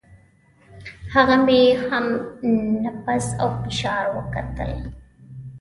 هغه مې هم نبض او فشار وکتل.